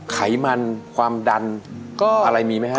ไขมันความดันอะไรมีไหมครับ